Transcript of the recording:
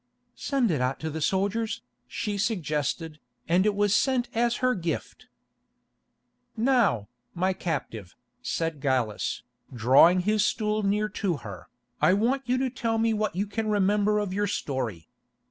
"Send it out to the soldiers," she suggested, and it was sent as her gift. "Now, my captive," said Gallus, drawing his stool near to her, "I want you to tell me what you can remember of your story.